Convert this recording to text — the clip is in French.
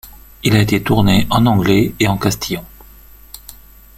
Il a été tourné en anglais et en castillan.